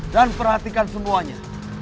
dan perhatikan semuanya